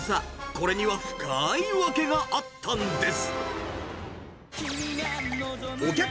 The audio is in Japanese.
これには深ーい訳があったんです。